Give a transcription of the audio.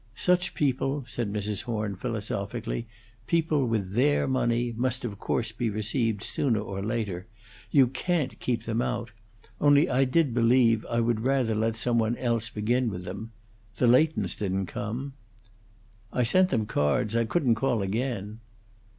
"Such people," said Mrs. Horn, philosophically, "people with their money, must of course be received sooner or later. You can't keep them out. Only, I believe I would rather let some one else begin with them. The Leightons didn't come?" "I sent them cards. I couldn't call again."